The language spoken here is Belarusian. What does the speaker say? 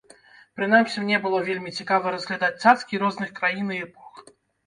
Прынамсі мне было вельмі цікава разглядаць цацкі розных краін і эпох.